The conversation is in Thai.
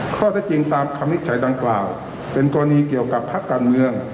ข้อเท็จจริงตามคำวินิจฉัยดังกล่าวเป็นกรณีเกี่ยวกับพักการเมือง